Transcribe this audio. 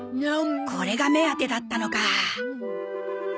これが目当てだったのか。